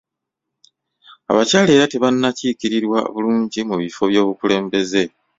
Abakyala era tebannakiikirirwa bulungi mu bifo by'obukulembeze.